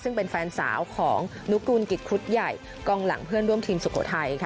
ซึ่งเป็นแฟนสาวของนุกูลกิจครุฑใหญ่กองหลังเพื่อนร่วมทีมสุโขทัยค่ะ